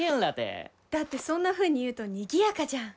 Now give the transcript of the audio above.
だってそんなふうに言うとにぎやかじゃん。